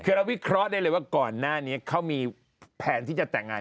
คือเราวิเคราะห์ได้เลยว่าก่อนหน้านี้เขามีแผนที่จะแต่งงาน